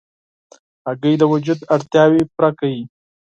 هګۍ د وجود اړتیاوې پوره کوي.